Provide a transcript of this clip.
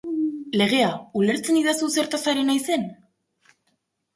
Legea, ulertzen didazu zertaz ari naizen?